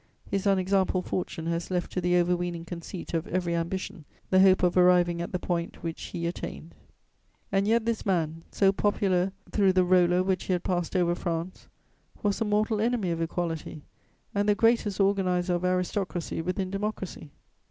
His unexampled fortune has left to the overweening conceit of every ambition the hope of arriving at the point which he attained. And yet this man, so popular through the roller which he had passed over France, was the mortal enemy of equality and the greatest organizer of aristocracy within democracy.